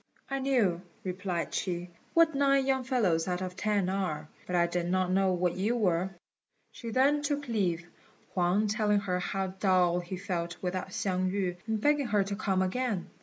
"I knew," replied she, "what nine young fellows out of ten are; but I did not know what you were." She then took leave, Huang telling her how dull he felt without Hsiang yü, and begging her to come again.